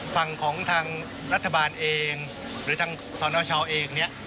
ฟังของทางรัฐบาลเองหรือทางส่วนชาวเองนี่